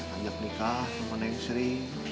lanjut nikah sama neng sri